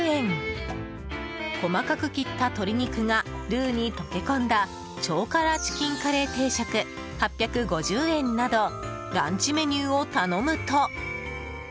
細かく切った鶏肉がルーに溶け込んだ超辛チキンカレー定食８５０円などランチメニューを頼むと。